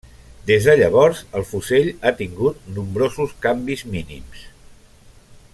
Des de llavors, el fusell ha tingut nombrosos canvis mínims.